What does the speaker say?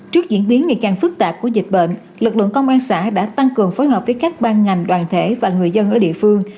trước diễn biến ngày càng phức tạp của dịch bệnh lực lượng công an xã đã tăng cường phối hợp với các ban ngành đoàn thể và người dân ở địa phương